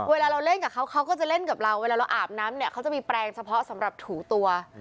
เวลาเราเล่นกับเขาเขาก็จะเล่นกับเราเวลาเราอาบน้ำเนี่ยเขาจะมีแปลงเฉพาะสำหรับถูตัว